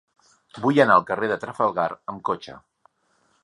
Vull anar al carrer de Trafalgar amb cotxe.